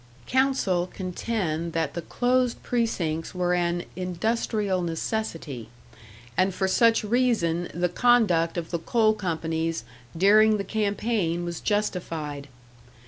"Counsel contend that the closed precincts were an 'industrial necessity,' and for such reason the conduct of the coal companies during the campaign was justified.